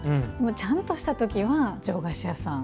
ちゃんとした時は上菓子屋さん。